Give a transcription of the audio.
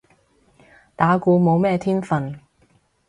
打鼓冇咩天份